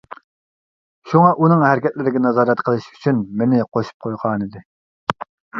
شۇڭا ئۇنىڭ ھەرىكەتلىرىگە نازارەت قىلىش ئۈچۈن مېنى قوشۇپ قويغانىدى.